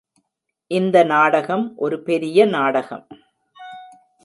இந்த நாடகம் ஒரு பெரிய நாடகம்.